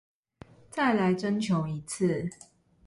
再來徵求一次